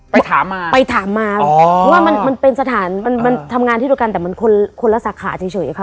ไปถามมาอเรนนี่ไปถามมาว่ามันเป็นสถานทำงานที่เดียวกันแต่มันคนละสาขาเฉยค่ะ